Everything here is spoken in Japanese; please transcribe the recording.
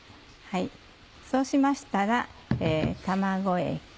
そうしましたら卵液。